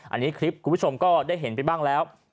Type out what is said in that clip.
อันนี้คลิปคุณผู้ชมก็ได้เห็นไปบ้างแล้ว